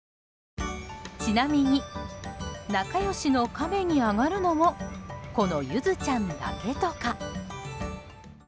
ちなみに仲良しのカメに上がるのもこのゆずちゃんだけとか。